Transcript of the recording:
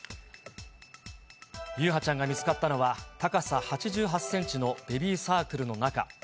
優陽ちゃんが見つかったのは、高さ８８センチのベビーサークルの中。